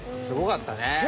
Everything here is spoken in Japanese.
すごかったね。